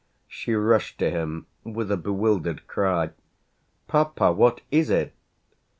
She rushed to him with a bewildered cry, "Papa, what is it?"